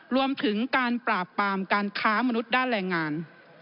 รวมถึงการปราบปรามการค้ามนุษย์ด้านแรงงาน